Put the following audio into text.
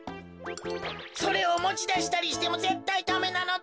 それをもちだしたりしてもぜったいダメなのだ。